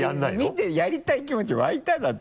見てやりたい気持ち湧いた？だって。